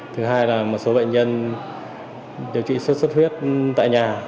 thứ hai là một số bệnh nhân điều trị sốt sốt huyết tại nhà